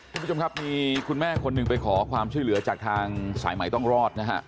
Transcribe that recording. คุณผู้ชมครับมีคุณแม่คนหนึ่งไปขอความช่วยเหลือจากทางสายใหม่ต้องรอดนะฮะ